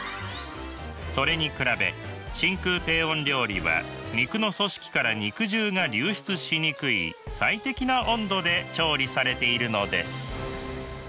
それに比べ真空低温料理は肉の組織から肉汁が流出しにくい最適な温度で調理されているのです。